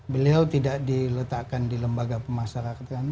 beliau tidak diletakkan di lembaga pemasarakat kan